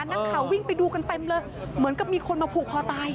นักข่าววิ่งไปดูกันเต็มเลยเหมือนกับมีคนมาผูกคอตาย